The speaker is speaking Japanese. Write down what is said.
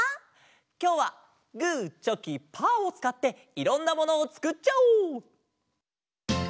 きょうはグーチョキパーをつかっていろんなものをつくっちゃおう。